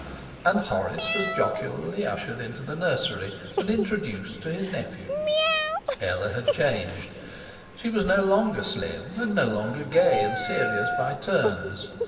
And Horace was jocularly ushered into the nursery and introduced to his nephew. Ella had changed. She was no longer slim, and no longer gay and serious by turns.